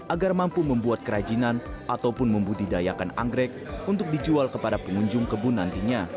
agar mampu membuat kerajinan ataupun membudidayakan anggrek untuk dijual kepada pengunjung kebun nantinya